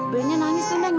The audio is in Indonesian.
benya nangis tuh neng